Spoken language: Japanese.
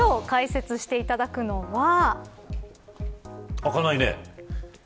開かないね。